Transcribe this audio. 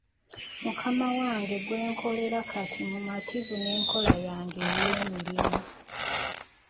Mukama wange gwe nkolera kati mumativu n'enkola yange ey'emirimu.